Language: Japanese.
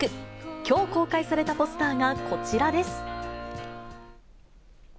きょう、公開されたポスターがこちらです。